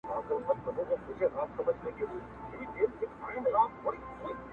د غریب مُلا آذان ته کله چا وو غوږ نیولی-